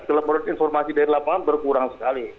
kalau menurut informasi dari lapangan berkurang sekali